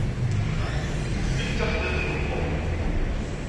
Nekk d taxḍibt n Tom.